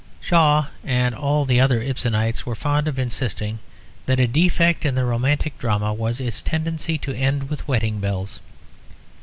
Shaw and all the other Ibsenites were fond of insisting that a defect in the romantic drama was its tendency to end with wedding bells.